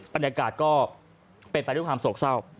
บรรยากาศก็เป็นไปด้วยความโศกเศร้า